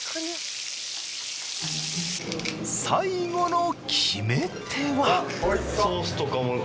最後の決め手は。